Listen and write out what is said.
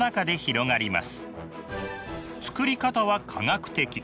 作り方は科学的。